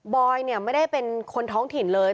อยเนี่ยไม่ได้เป็นคนท้องถิ่นเลย